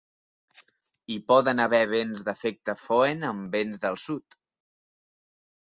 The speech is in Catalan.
Hi poden haver vents d'efecte Foehn amb vents del sud.